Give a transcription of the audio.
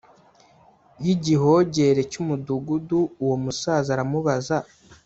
Y Igihogere Cy Umudugudu Uwo Musaza Aramubaza